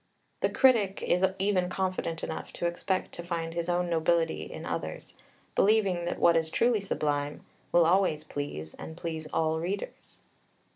The critic is even confident enough to expect to find his own nobility in others, believing that what is truly Sublime "will always please, and please all readers."